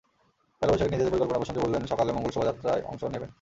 পয়লা বৈশাখে নিজেদের পরিকল্পনা প্রসঙ্গে বললেন, সকালে মঙ্গল শোভাযাত্রায় অংশ নেবেন।